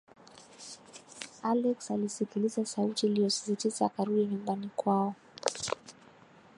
alex alisikiliza sauti iliyosisitiza akarudi nyumbani kwao